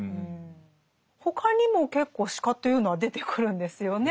他にも結構鹿というのは出てくるんですよね。